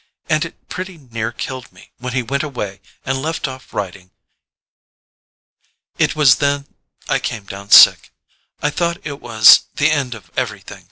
. and it pretty near killed me when he went away and left off writing.... "It was then I came down sick—I thought it was the end of everything.